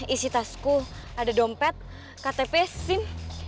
isi tasku ada dompet ktp sim